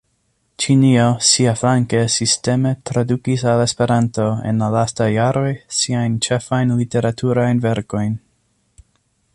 Ĉinio siaflanke sisteme tradukis al Esperanto, en la lastaj jaroj, siajn ĉefajn literaturajn verkojn.